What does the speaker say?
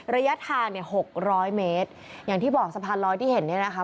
ระยะทาง๖๐๐เมตรอย่างที่บอกสะพานลอยที่เห็นนี่นะคะ